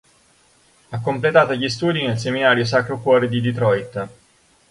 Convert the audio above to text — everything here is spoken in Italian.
Ha completato gli studi nel seminario "Sacro Cuore" di Detroit.